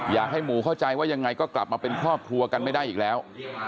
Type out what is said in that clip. อยากให้หมูเข้าใจว่ายังไงก็กลับมาเป็นครอบครัวกันไม่ได้อีกแล้ว